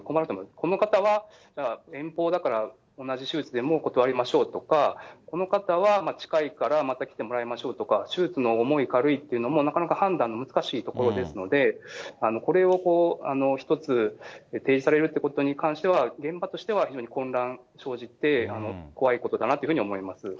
この方は遠方だから同じ手術でも断りましょうとか、この方は近いからまた来てもらいましょうとか、手術の重い軽いっていうのも、なかなか判断難しいところですので、これを一つ提示されるということに関しては、現場としては混乱生じて、怖いことだなというふうに思います。